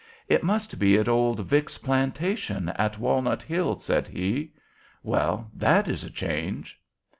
'It must be at old Vick's plantation, at Walnut Hills,' said he: 'well, that is a change!'